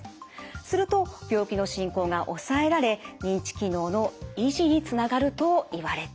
すると病気の進行が抑えられ認知機能の維持につながるといわれています。